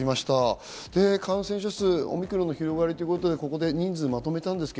感染者数、オミクロンの広がりということで人数をまとめました。